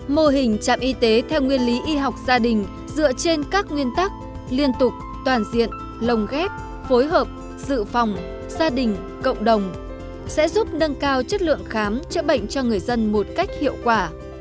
mô hình trạm y tế theo nguyên lý y học gia đình dựa trên các nguyên tắc liên tục toàn diện lồng ghép phối hợp dự phòng gia đình cộng đồng sẽ giúp nâng cao chất lượng khám chữa bệnh cho người dân một cách hiệu quả